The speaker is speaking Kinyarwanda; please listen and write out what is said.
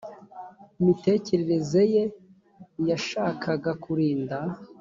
mitekerereze ye yashakaga kurinda